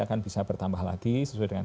akan bisa bertambah lagi sesuai dengan